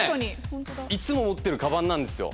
いつも持ってるカバンなんですよ。